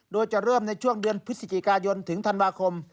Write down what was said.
โดยจะเริ่มในช่วงเดือนพฤศจิกายนถึงธันวาคม